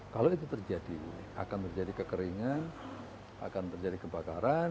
kalau itu terjadi akan terjadi kekeringan akan terjadi kebakaran